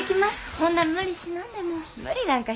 ほんな無理しなんでも。